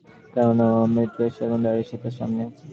কেননা, মৃত্যু এসে এখন দাঁড়িয়েছে তার সামনে।